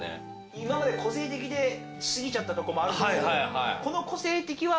今まで個性的で過ぎちゃったとこもあるんですけど。